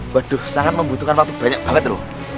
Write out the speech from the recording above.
waduh sangat membutuhkan waktu banyak banget loh